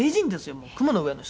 もう雲の上の人」